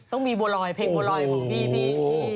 ต้องมีเบออร์รอยเพลงเบอร์อรอย